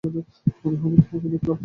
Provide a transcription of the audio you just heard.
মনে হল তোমাকে দেখলাম।